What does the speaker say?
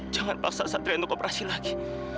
jangan paksa satria untuk kooperasi lagi